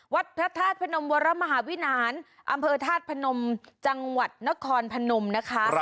วัดพระธาตุพนมวรมหาวินานอำเภอธาตุพนมจังหวัดนครพนมนะคะ